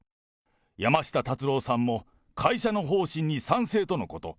山下達郎さんも会社の方針に賛成とのこと。